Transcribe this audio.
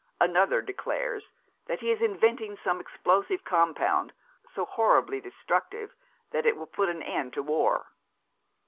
Another declares that he is inventing some explosive compound, so horribly destructive that it will put an end to war.